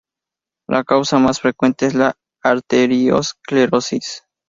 La causa más frecuente es la arterioesclerosis.